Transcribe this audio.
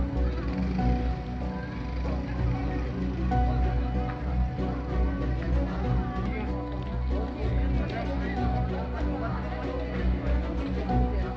masih di kamar mandi semua